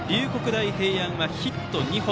大平安はヒット２本。